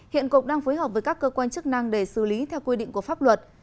hiện cục đang phối hợp với các cơ quan chức năng để xử lý theo quy định của pháp luật